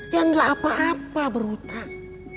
ya nggak apa apa berhutang